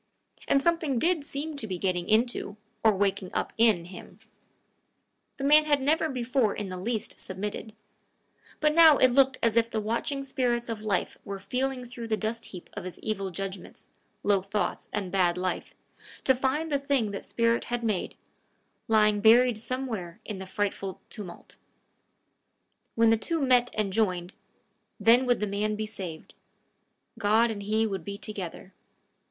And something did seem to be getting into, or waking up in, him. The man had never before in the least submitted; but now it looked as if the watching spirit of life were feeling through the dust heap of his evil judgments, low thoughts, and bad life, to find the thing that spirit had made, lying buried somewhere in the frightful tumulus: when the two met and joined, then would the man be saved; God and he would be together.